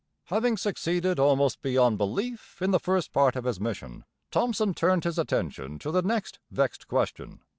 Having succeeded almost beyond belief in the first part of his mission, Thomson turned his attention to the next vexed question.